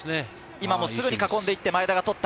今も、すぐに囲んで行って前田が取った。